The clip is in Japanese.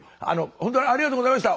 ほんとにありがとうございました。